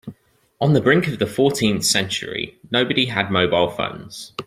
On the brink of the fourteenth century, nobody had mobile phones.